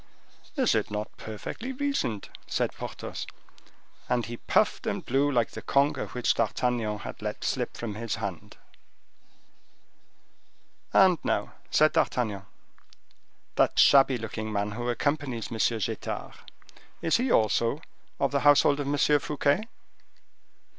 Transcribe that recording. "Is it not powerfully reasoned?" said Porthos: and he puffed and blew like the conger which D'Artagnan had let slip from his hand. "And now," said D'Artagnan, "that shabby looking man, who accompanies M. Getard, is he also of the household of M. Fouquet?"